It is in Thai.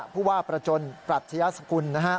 ภูวาประจนปรัชญสกุลนะฮะ